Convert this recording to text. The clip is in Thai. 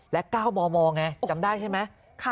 และ๙มมไงจำได้ใช่ไหม